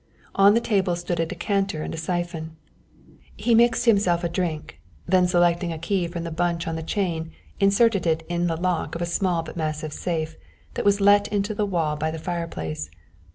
On the table stood a decanter and a syphon. He mixed himself a drink, then selecting a key from the bunch on his chain inserted it in the lock of a small but massive safe that was let into the wall by the fireplace.